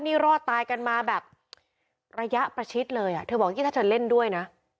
นี่รอดตายกันมาแบบระยะประชิดเลยอ่ะเธอบอกนี่ถ้าเธอเล่นด้วยนะ